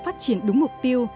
phát triển đúng mục tiêu